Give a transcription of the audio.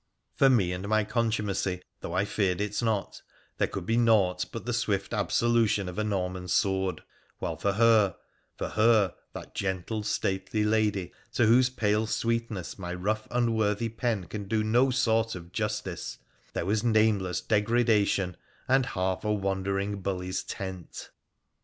For me and my PHRA THE PH(EN1C1AN 101 Contumacy, though I feared it not, there could be nought but the swift absolution of a Norman sword ; while for her — for her, that gentle, stately lady to whose pale sweetness my rough, unworthy pen can do no sort of justice — there was nameless degradation and half a wandering bully's tent.